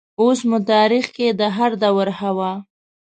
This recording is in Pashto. اوس مو تاریخ کې د هردور حوا